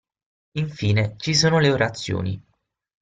Infine, ci sono le Orazioni.